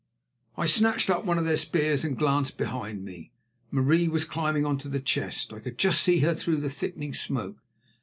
I snatched up one of their spears and glanced behind me. Marie was climbing on to the chest; I could just see her through the thickening smoke.